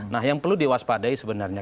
nah yang perlu diwaspadai sebenarnya